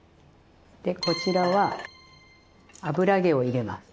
でこちらは油揚げを入れます。